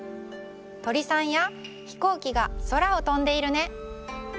とりさんやひこうきがそらをとんでいるね。